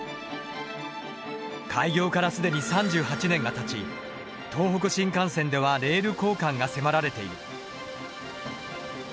開業から既に３８年がたち東北新幹線ではレール交換が迫られている。